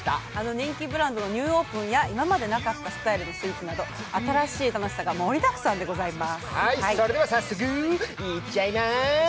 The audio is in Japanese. あの人気ブランドのニューオープンや今までなかったスタイルのスイーツなど、盛りだくさんでございます。